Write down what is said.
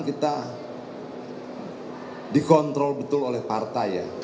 kita dikontrol betul oleh partai ya